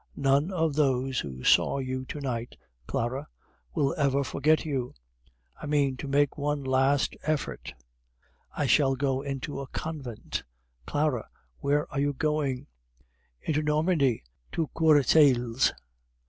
None of those who saw you to night, Clara, will ever forget you. I mean to make one last effort. If I fail, I shall go into a convent. Clara, where are you going?" "Into Normandy, to Courcelles.